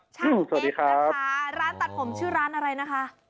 ชากเอ็กซ์ค่ะร้านตัดผมชื่อร้านอะไรนะคะ